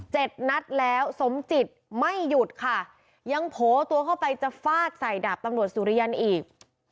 นัดแล้วสมจิตไม่หยุดค่ะยังโผล่ตัวเข้าไปจะฟาดใส่ดาบตำรวจสุริยันอีก